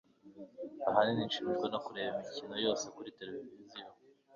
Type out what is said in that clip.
ahanini, nshimishwa no kureba imikino yose kuri tv